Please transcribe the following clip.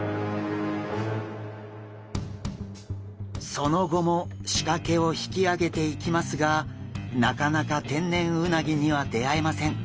その後も仕掛けを引き上げていきますがなかなか天然うなぎには出会えません。